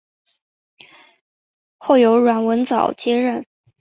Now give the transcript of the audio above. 后由阮文藻接任。